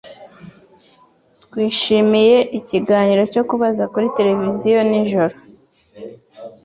Twishimiye ikiganiro cyo kubaza kuri tereviziyo nijoro.